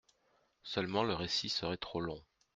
Seulement le récit serait trop long.